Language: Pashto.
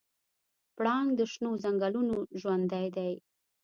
پړانګ د شنو ځنګلونو ژوندی دی.